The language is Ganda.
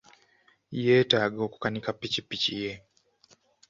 Yeetaaga okukanika ppikipiki ye.